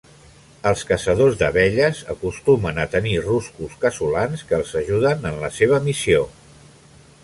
Els caçadors d'abelles acostumen a tenir ruscos casolans que els ajuden en la seva missió.